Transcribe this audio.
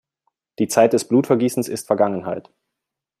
Die Zeit des Blutvergießens ist Vergangenheit!